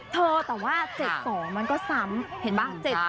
เธอแต่ว่า๗๒มันก็ซ้ำเห็นป่ะ